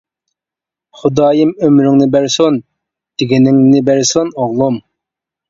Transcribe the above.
-خۇدايىم ئۆمرۈڭنى بەرسۇن، دېگىنىڭنى بەرسۇن ئوغلۇم.